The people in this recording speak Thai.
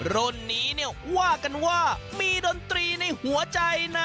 รุ่นนี้เนี่ยว่ากันว่ามีดนตรีในหัวใจนะ